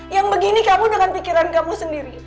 yang begini kamu dengan pikiran kamu sendiri